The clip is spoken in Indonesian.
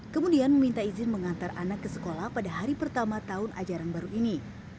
kemudian meminta izin mengantar anak ke sekolah pada hari pertama tahun ajaran baru ini